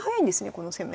この攻め。